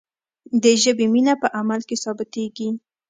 د ژبې مینه په عمل کې ثابتیږي.